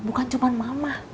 bukan cuma kamu